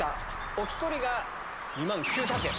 お１人が２万９００円。